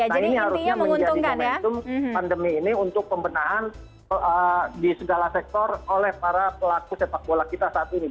nah ini harusnya menjadi momentum pandemi ini untuk pembenahan di segala sektor oleh para pelaku sepak bola kita saat ini